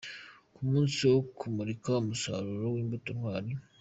Ku munsi wo kumurika umusaruro w'imbuto Ntwari.